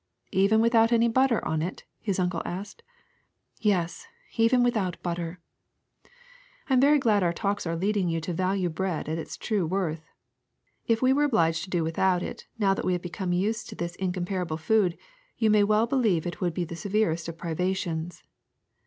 *'^^ Even without any butter on it T ' his uncle asked. Yes, even without butter.'' *^ I am very glad our talks are leading you to value bread at its true worth. If we were obliged to do without it now that we have become used to this in comparable food, you may well believe it would be the severest of privations.